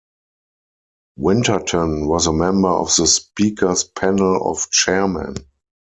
Winterton was a member of the Speaker's Panel of Chairmen.